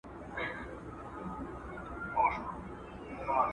څنګه افغان صادروونکي تازه میوه ترکیې ته لیږدوي؟